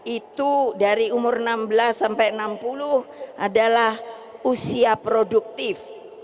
itu dari umur enam belas sampai enam puluh adalah usia produktif